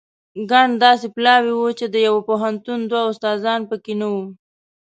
ګڼ داسې پلاوي وو چې د یوه پوهنتون دوه استادان په کې نه وو.